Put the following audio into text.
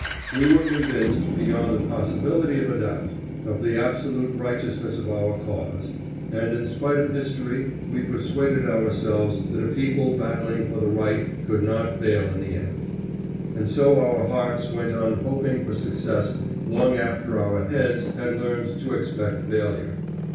We were convinced, beyond the possibility of a doubt, of the absolute righteousness of our cause, and in spite of history we persuaded ourselves that a people battling for the right could not fail in the end. And so our hearts went on hoping for success long after our heads had learned to expect failure.